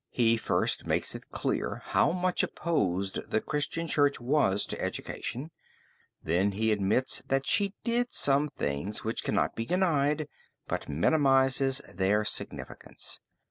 He first makes it clear how much opposed the Christian Church was to education, then he admits that she did some things which cannot be denied, but minimizes their significance.